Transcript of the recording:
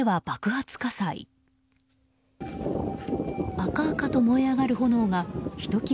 赤々と燃え上がる炎がひと際